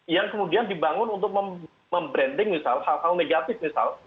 yang kemudian dibangun untuk membranding misal hal hal negatif misal